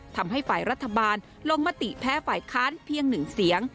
ทำให้ฝ่ายรัฐบาลลงมติแพ้ฝ่ายค้านเพียง๑เสียง